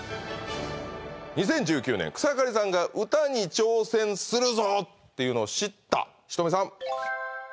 ２０１９年草刈さんが歌に挑戦するぞっていうのを知った仁美さん